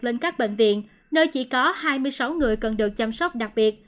lên các bệnh viện nơi chỉ có hai mươi sáu người cần được chăm sóc đặc biệt